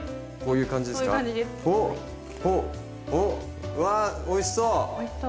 うわおいしそう！